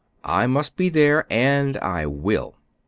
"I must be there, and I will."